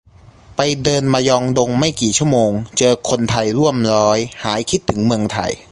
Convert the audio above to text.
ไปเดินมยองดงไม่กี่ชั่วโมง เจอคนไทยร่วมร้อย หายคิดถึงเมืองไทย